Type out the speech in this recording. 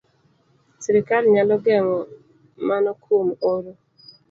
Sirkal nyalo geng'o mano kuom oro